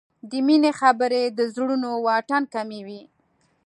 د مینې خبرې د زړونو واټن کموي.